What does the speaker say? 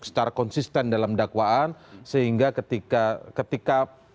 secara konsisten dalam dakwaan sehingga ketika